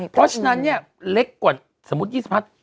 เพราะฉะนั้นเล็กกว่าสมมติวิสัพธิ์